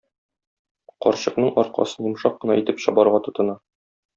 Карчыкның аркасын йомшак кына итеп чабарга тотына.